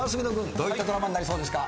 どういったドラマになりそうですか？